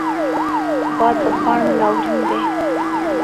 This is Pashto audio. باد د پاڼو ناورین دی